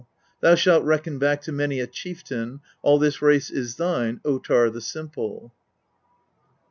Thou shalt reckon back to many a chieftain. All this race is thine Ottar the Simple